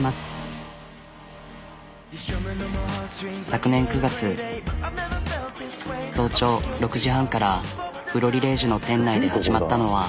昨年９月早朝６時半からＦｌｏｒｉｌｇｅの店内で始まったのは。